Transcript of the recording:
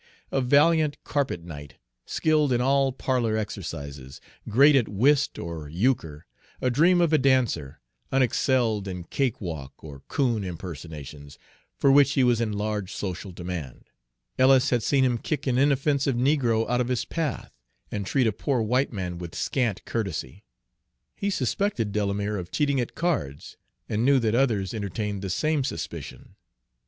A valiant carpet knight, skilled in all parlor exercises, great at whist or euchre, a dream of a dancer, unexcelled in Cakewalk or "coon" impersonations, for which he was in large social demand, Ellis had seen him kick an inoffensive negro out of his path and treat a poor white man with scant courtesy. He suspected Delamere of cheating at cards, and knew that others entertained the same suspicion.